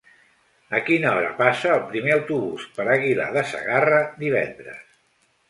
A quina hora passa el primer autobús per Aguilar de Segarra divendres?